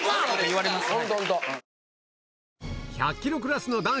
言われますね。